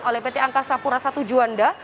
oleh pt angkasa purasa tujuanda